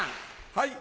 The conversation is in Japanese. はい。